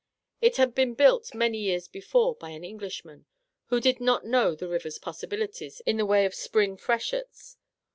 It had been built many years before by an Englishman, who did not know the river's possibilities in the way of spring freshets.